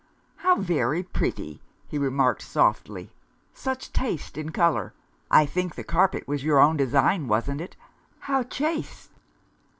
"How very pretty!" he remarked softly. "Such taste in colour. I think the carpet was your own design, wasn't it? How chaste!"